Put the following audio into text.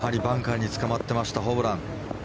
やはりバンカーにつかまってましたホブラン。